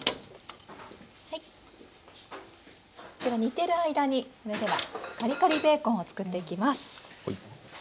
こちら煮てる間にそれではカリカリベーコンを作っていきます。